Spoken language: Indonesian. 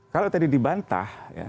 kalau tadi dibantah